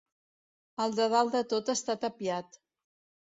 El de dalt de tot està tapiat.